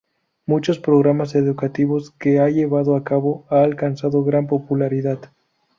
Muchos programas educativos que ha llevado a cabo han alcanzado gran popularidad.